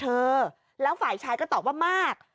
การนอนไม่จำเป็นต้องมีอะไรกัน